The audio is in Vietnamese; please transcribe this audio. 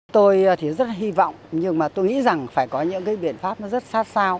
tôi thì rất hy vọng nhưng mà tôi nghĩ rằng phải có những cái biện pháp rất sát sao